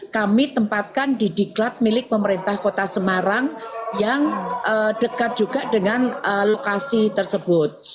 kami tempatkan di diklat milik pemerintah kota semarang yang dekat juga dengan lokasi tersebut